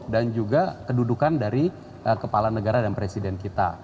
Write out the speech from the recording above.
dan juga kedudukan dari kepala negara dan presiden kita